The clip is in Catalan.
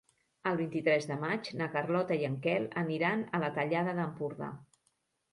El vint-i-tres de maig na Carlota i en Quel aniran a la Tallada d'Empordà.